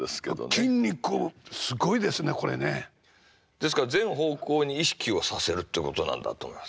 ですから全方向に意識をさせるっていうことなんだと思います。